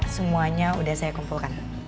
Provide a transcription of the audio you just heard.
semuanya sudah saya kumpulkan